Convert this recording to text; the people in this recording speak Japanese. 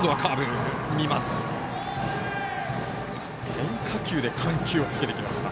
変化球で緩急をつけてきました。